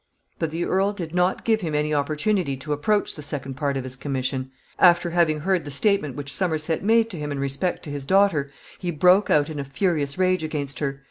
But the earl did not give him any opportunity to approach the second part of his commission. After having heard the statement which Somerset made to him in respect to his daughter, he broke out in a furious rage against her.